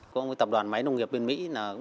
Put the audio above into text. có một tập đoàn máy nông nghiệp bên mỹ